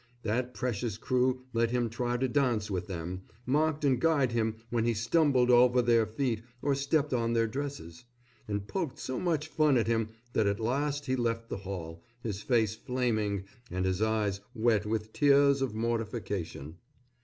That precious crew let him try to dance with them, mocked and guyed him when he stumbled over their feet or stepped on their dresses, and poked so much fun at him that at last he left the hall, his face flaming, and his eyes wet with tears of mortification.